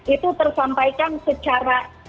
itu tersampaikan secara